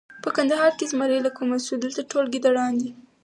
په کندهار کې زمری له کومه شو! دلته ټول ګیدړان دي.